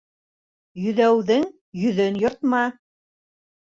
Йөҙәүҙең йөҙөн йыртма.